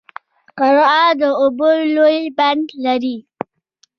قرغه د اوبو لوی بند لري.